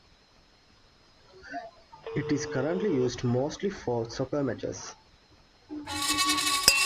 It is currently used mostly for soccer matches.